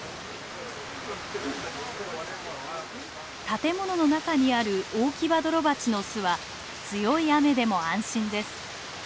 建物の中にあるオオキバドロバチの巣は強い雨でも安心です。